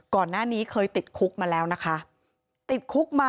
ก่อนหน้านี้เคยติดคุกมาแล้วนะคะ